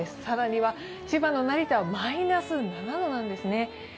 更には千葉の成田はマイナス７度なんですね。